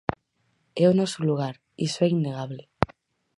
É o noso lugar, iso é innegable.